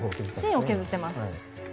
芯を削ってます。